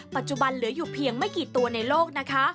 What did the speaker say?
ปัจจุบันเหลืออยู่เพียงไม่กี่ตัวในโลกนะคะ